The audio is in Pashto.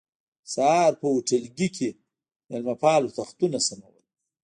سهار په هوټلګي کې مېلمه پالو تختونه سمول.